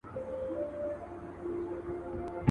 د سپرلي ښکلۍ موسم دی په ګلشن کي